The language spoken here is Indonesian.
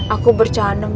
aku bercana mas